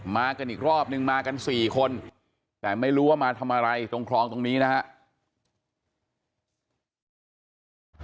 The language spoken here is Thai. มากันอีกรอบนึงมากัน๔คนแต่ไม่รู้ว่ามาทำอะไรตรงคลองตรงนี้นะครับ